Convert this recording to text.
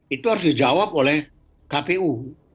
itu harus dijawab oleh kpu